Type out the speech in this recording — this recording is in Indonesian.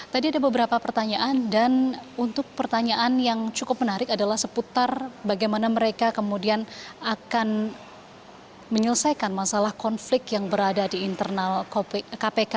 tadi ada beberapa pertanyaan dan untuk pertanyaan yang cukup menarik adalah seputar bagaimana mereka kemudian akan menyelesaikan masalah konflik yang berada di internal kpk